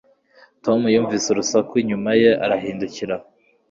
Tom yumvise urusaku inyuma ye arahindukira.